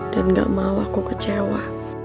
dan gak mau aku kecewa